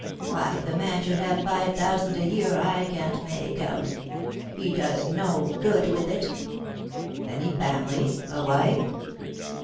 Why the man should have five thousand a year I can't make out. He does no good with it." "Any family? a wife?"